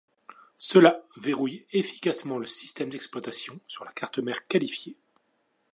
Cela verrouille efficacement le système d'exploitation sur la carte mère qualifiée.